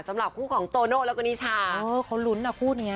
สำหรับคู่ของโตโน่แล้วก็นิชาเขาลุ้นนะคู่นี้